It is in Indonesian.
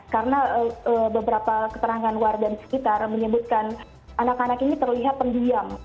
karena beberapa keterangan warga di sekitar menyebutkan anak anak ini terlihat pendiam